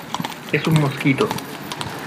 es un mosquito.